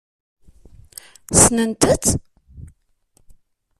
Ssnent-tt?